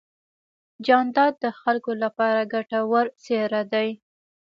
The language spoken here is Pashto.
جانداد د خلکو لپاره ګټور څېرہ دی.